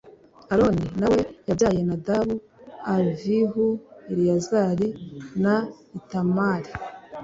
aroni na we yabyaye nadabu, avihu, eleyazari na itamari.